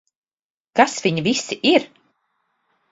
Kas viņi visi ir?